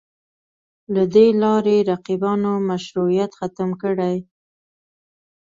له دې لارې رقیبانو مشروعیت ختم کړي